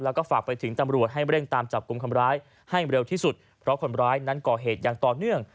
แล้วก็ฝากไปถึงตำรวจให้เร่งตามจับกลุ่มคำร้ายให้เร็วที่สุดเพราะคนร้ายนั้นก่อเหตุอย่างต่อเนื่อง